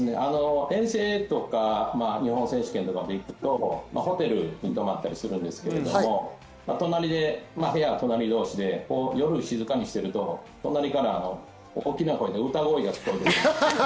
遠征とか日本選手権とかに行くと、ホテルに泊まったりするんですけど、部屋は隣同士で、夜静かにしていると隣から大きな声で歌声が聴こえてきて。